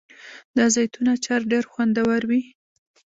د زیتون اچار ډیر خوندور وي.